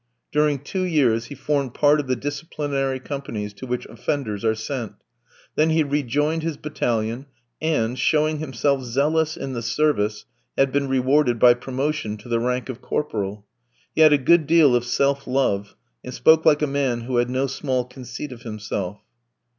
During two years he formed part of the disciplinary companies to which offenders are sent; then he rejoined his battalion, and, showing himself zealous in the service, had been rewarded by promotion to the rank of corporal. He had a good deal of self love, and spoke like a man who had no small conceit of himself.